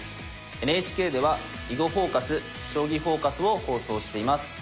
ＮＨＫでは「囲碁フォーカス」「将棋フォーカス」を放送しています。